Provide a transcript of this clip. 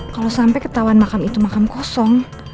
kalau sampai ketahuan makam itu makam kosong